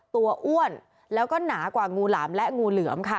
อ้วนแล้วก็หนากว่างูหลามและงูเหลือมค่ะ